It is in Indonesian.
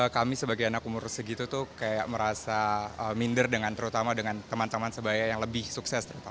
kami sebagai anak umur segitu tuh kayak merasa minder dengan terutama dengan teman teman sebaya yang lebih sukses